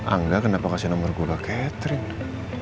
angga kenapa kasih nomer gue kak catherine